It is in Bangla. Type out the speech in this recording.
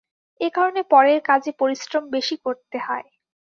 এ কারণে পরের কাজে পরিশ্রম বেশি করতে হয়।